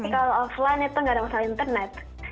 kalau offline itu nggak ada masalah internet